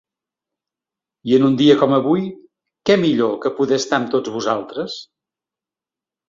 I en un dia com avui, què millor que poder estar amb tots vosaltres?